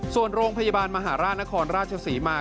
ส่วนโรงพยาบาลมหาราชนครราชศรีมา